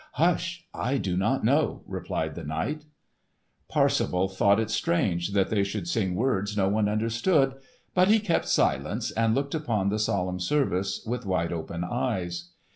"Hush. I do not know," replied the knight. Parsifal thought it strange that they should sing words no one understood, but he kept silence and looked upon the solemn service with wide open eyes.